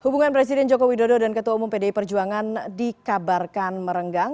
hubungan presiden joko widodo dan ketua umum pdi perjuangan dikabarkan merenggang